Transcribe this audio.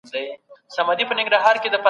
لا روښانه نه ده چې څنګه جوړ شو.